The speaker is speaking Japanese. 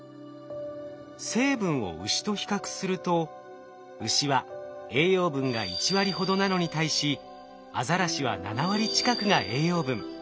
成分をウシと比較するとウシは栄養分が１割ほどなのに対しアザラシは７割近くが栄養分。